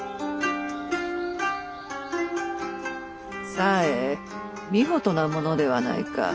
紗江見事なものではないか。